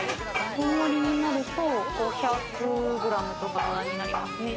大盛りになると５００グラムとかになりますね。